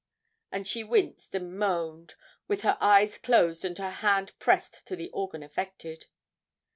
And she winced and moaned, with her eyes closed and her hand pressed to the organ affected.